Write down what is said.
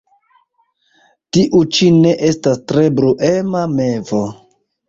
Tiu ĉi ne estas tre bruema mevo.